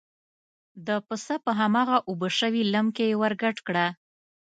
د پسه په هماغه اوبه شوي لم کې یې ور ګډه کړه.